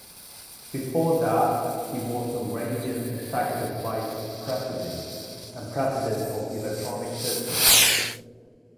Before that, he was a Raytheon executive vice president and president of Electronic Systems.